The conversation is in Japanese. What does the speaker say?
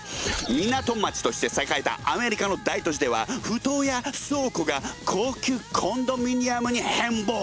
港町として栄えたアメリカの大都市では埠頭や倉庫が高級コンドミニアムに変貌。